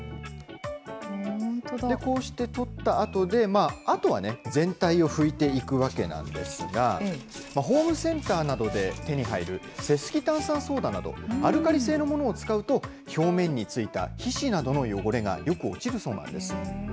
こうして取った後で、あとはね、全体を拭いていくわけなんですが、ホームセンターなどで手に入る、セスキ炭酸ソーダなど、アルカリ性のものを使うと、表面についた皮脂などの汚れがよく落ちるそうなんです。